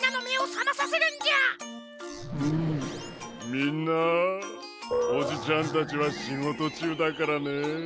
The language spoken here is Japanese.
みんなおじちゃんたちはしごとちゅうだからね。